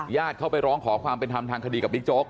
ญาติเขาไปร้องขอความเป็นทำทางคดีกับปิ๊กโจ๊กอืม